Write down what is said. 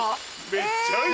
めっちゃいい。